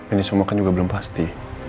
ini semua kan juga belum pasti